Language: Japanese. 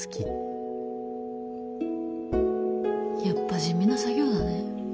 やっぱ地味な作業だね。